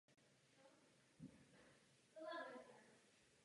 Vzápětí slyší volání o pomoc.